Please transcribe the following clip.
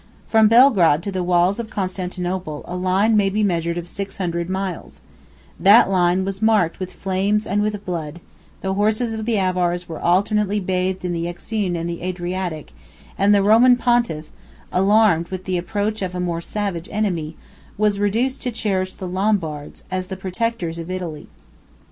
28 From Belgrade to the walls of Constantinople a line may be measured of six hundred miles: that line was marked with flames and with blood; the horses of the Avars were alternately bathed in the Euxine and the Adriatic; and the Roman pontiff, alarmed by the approach of a more savage enemy, 29 was reduced to cherish the Lombards, as the protectors of Italy.